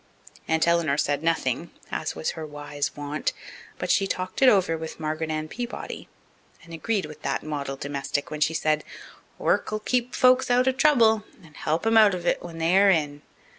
Aunt Eleanor said nothing, as was her wise wont, but she talked it over with Margaret Ann Peabody, and agreed with that model domestic when she said: "Work'll keep folks out of trouble and help 'em out of it when they are in.